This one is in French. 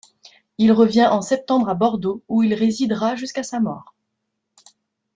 Il revient en septembre à Bordeaux, où il résidera jusqu'à sa mort.